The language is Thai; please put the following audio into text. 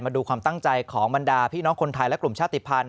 ดูความตั้งใจของบรรดาพี่น้องคนไทยและกลุ่มชาติภัณฑ